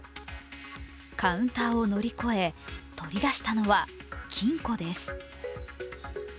カウンターを乗り越え取り出したのは金庫です。